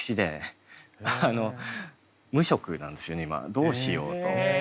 どうしようと。